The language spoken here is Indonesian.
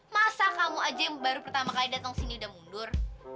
masa kamu aja yang baru pertama kali datang sini udah mundur